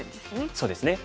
そうですね。